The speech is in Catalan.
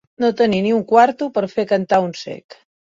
No tenir ni un quarto per fer cantar un cec.